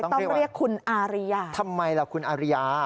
ต้องเรียกคุณอาริยาทำไมล่ะคุณอาริยา